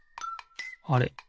あれ？